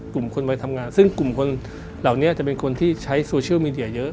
กลุ่มคนวัยทำงานซึ่งกลุ่มคนเหล่านี้จะเป็นคนที่ใช้โซเชียลมีเดียเยอะ